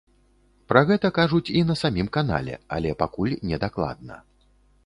Пра гэта кажуць і на самім канале, але пакуль не дакладна.